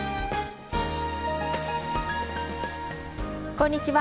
こんにちは。